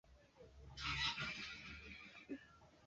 ndio ndio hulipa mimi mwenyewe sasa na hawa wafikirie hivyo hawa vijana